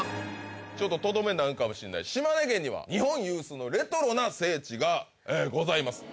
ちょっととどめになるかもしんない島根県には日本有数のレトロな聖地がございます